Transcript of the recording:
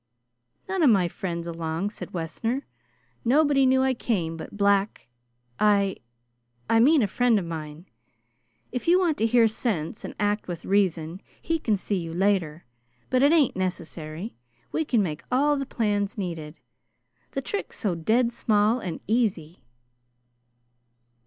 "None of my friends along," said Wessner. "Nobody knew I came but Black, I I mean a friend of mine. If you want to hear sense and act with reason, he can see you later, but it ain't necessary. We can make all the plans needed. The trick's so dead small and easy."